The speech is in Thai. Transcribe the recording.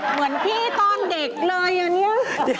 นี่เหมือนพี่ตอนเด็กเลยนี่